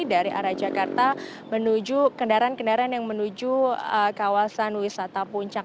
dari arah jakarta menuju kendaraan kendaraan yang menuju kawasan wisata puncak